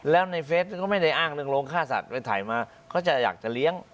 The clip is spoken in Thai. แล้วในเฟสก็ไม่ได้อ้างเรื่องโรงฆ่าสัตว์ไปถ่ายมาเขาจะอยากจะเลี้ยง